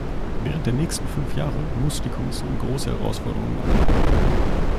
Während der nächsten fünf Jahre muss die Kommission große Herausforderungen angehen.